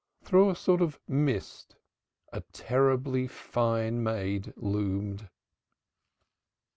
Through a sort of mist a terribly fine maid loomed.